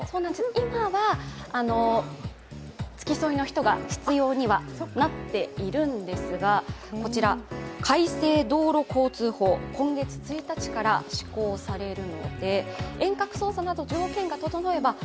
今は付き添いの人が必要にはなっているんですが、こちら、改正道路交通法今月１日から施行されます。